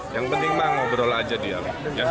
yang penting pak ngobrol aja diam